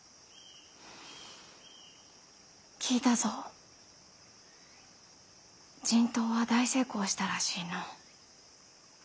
聞いたぞ人痘は大成功したらしいの。